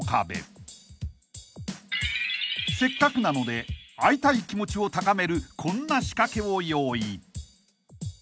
［せっかくなので会いたい気持ちを高めるこんな仕掛けを用意］